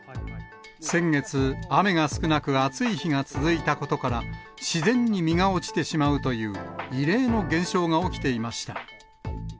先月、雨が少なく暑い日が続いたことから、自然に実が落ちてしまうという異例の現象が起きていました。